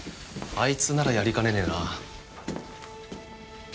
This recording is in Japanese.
あいつならやりかねねえな。